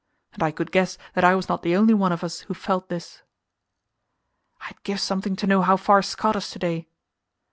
And I could guess that I was not the only one of us who felt this. "I'd give something to know how far Scott is to day."